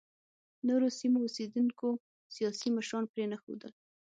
نورو سیمو اوسېدونکو سیاسي مشران پرېنښودل.